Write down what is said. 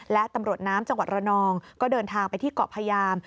และตำรวจน้ำจังหวัดระนองก็เดินทางไปที่เกาะพยาม